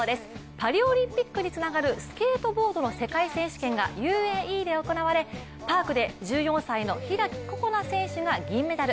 パリオリンピックにつながるスケートボードの世界選手権がＵＡＥで行われ、パークで１４歳の開心那選手が銀メダル。